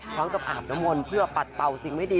พร้อมจากอาบนมนต์เพื่อปัดเป่าสิ่งไม่ดี